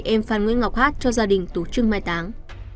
em phan nguyễn ngọc hát cho gia đình tổ chức trưng mai táng